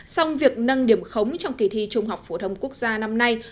song việc nâng điểm khống trong kỳ thi trung học phổ thông quốc gia năm nay